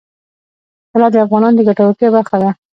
طلا د افغانانو د ګټورتیا برخه ده.